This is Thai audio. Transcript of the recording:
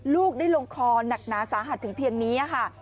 ลูกได้ลงคอหนักหนาสาหัสถึงเพียงนี้ค่ะ